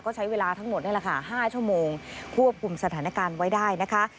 ก็ใช้เวลาทั้งหมดนี่แหละค่ะ๕ชั่วโมงควบคุมสถานการณ์ไว้ได้นะคะ